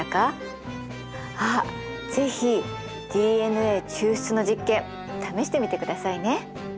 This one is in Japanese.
あっ是非ＤＮＡ抽出の実験試してみてくださいね。